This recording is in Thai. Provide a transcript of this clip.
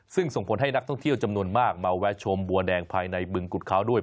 ซึ่งส่งผลให้นักท่องเที่ยวจำนวนมากมาแวะชมบัวแดงภายในบึงกุฎเขาด้วย